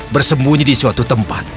bersembunyi di suatu tempat